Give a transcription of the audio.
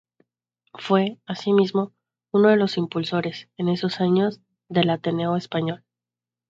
Fue, asimismo, uno de los impulsores, en esos años, del Ateneo Español.